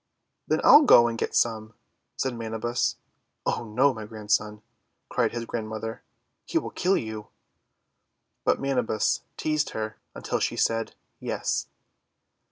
'Then I'll go and get some," said Manabus. "Oh, no, my Grandson," cried his grand mother. "He will kill you!" But Manabus teased her until she said "Yes."